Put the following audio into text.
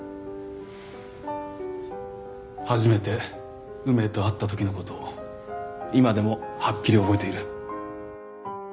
初めて梅と会った時の事を今でもはっきり覚えている。